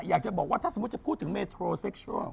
อยากจะบอกว่าถ้าสมมุติจะพูดถึงเมโทรเซ็กชัล